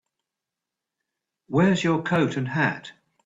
Where's your coat and hat?